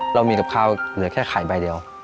เรามีกับข้าวเหลือแค่ไข่ใบเดียว